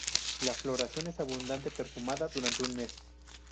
La floración es abundante perfumada durando un mes.